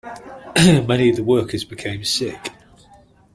Many of the workers became sick.